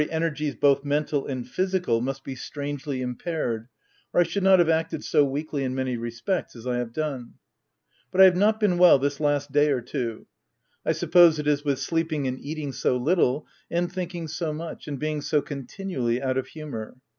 345 energies both mental and physical must be strangely impaired, or I should not have acted so weakly in many respects, as I have done ;— but I have not been well this last day or two : I suppose it is with sleeping and eating so little, and thinking so much, and being so continually out of humour.